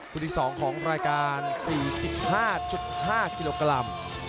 คู่ที่๒ของรายการ๔๕๕กิโลกรัม